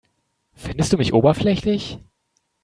Findest du mich oberflächlich?